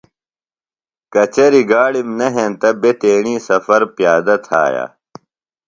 کچریۡ گاڑِم نہ ہینتہ بےۡ تیݨی سفر پیادہ تھایہ۔